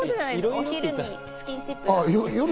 お昼にスキンシップ。